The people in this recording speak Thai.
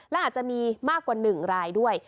และอาจจะมีมากกว่า๑รายด้วย